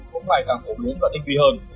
cũng phải càng phổ biến và tinh vi hơn